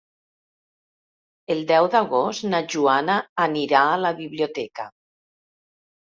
El deu d'agost na Joana anirà a la biblioteca.